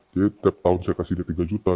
jadi setiap tahun saya kasih dia tiga juta